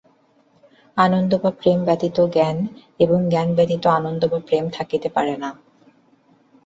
আনন্দ বা প্রেম ব্যতীত জ্ঞান এবং জ্ঞান ব্যতীত আনন্দ বা প্রেম থাকিতে পারে না।